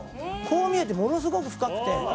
「こう見えてものすごく深くて」